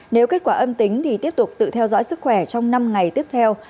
nếu kết quả âm tính thì tiếp tục tự theo dõi sức khỏe trong năm ngày tiếp theo